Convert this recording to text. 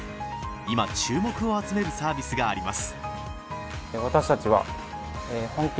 今注目を集めるサービスがあります